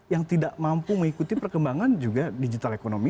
yang tidak mampu mengikuti perkembangan juga digital ekonomi